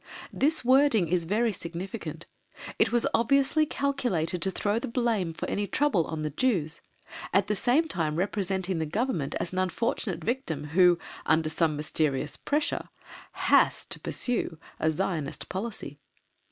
This wording is very significant. It was obviously calculated to throw the blame for any trouble on the Jews, at the same time representing the Government as an unfortunate victim, who, under some mysterious pressure, "has to pursue" a Zionist policy.